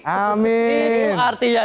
amin ini artinya